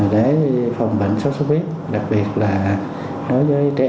để phòng bệnh sốt xuất huyết đặc biệt là đối với trẻ